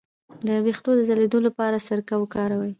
د ویښتو د ځلیدو لپاره سرکه وکاروئ